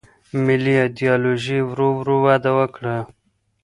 ملي ایدیالوژي ورو وده وکړه.